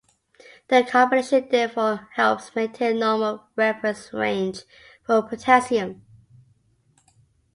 The combination therefore helps maintain a normal reference range for potassium.